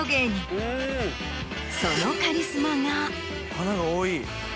花が多い！